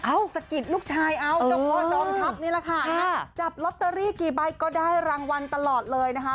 เอาสะกิดลูกชายเอาเจ้าพ่อจอมทัพนี่แหละค่ะจับลอตเตอรี่กี่ใบก็ได้รางวัลตลอดเลยนะคะ